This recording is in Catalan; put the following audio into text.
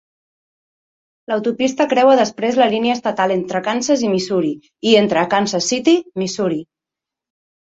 L'autopista creua després la línia estatal entre Kansas i Missouri i entra a Kansas City, Missouri.